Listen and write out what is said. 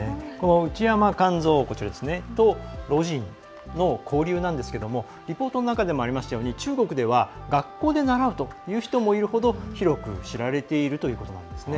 内山完造と魯迅の交流なんですけどリポートの中でもありましたように中国では学校で習う人もいるほど広く知られているということなんですね。